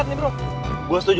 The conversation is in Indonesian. jadi saya nego sama zaten